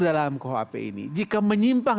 dalam kuhp ini jika menyimpang